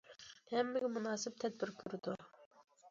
ھەممىگە مۇناسىپ تەدبىر كۆرىدۇ.